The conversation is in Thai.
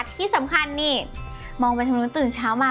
ที่สำคัญนี่มองไปทางนู้นตื่นเช้ามา